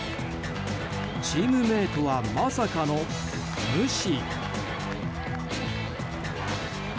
チームメートは、まさかの無視。